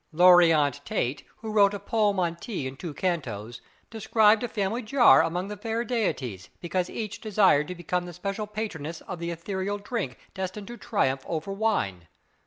Laureant Tate, who wrote a poem on tea in two cantos, described a family jar among the fair deities, because each desired to become the special patroness of the ethereal drink destined to triumph over wine.